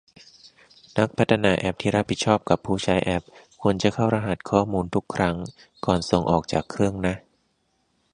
นักพัฒนาแอปที่รับผิดชอบกับผู้ใช้แอป ควรจะเข้ารหัสข้อมูลทุกครั้งก่อนส่งออกจากเครื่องนะ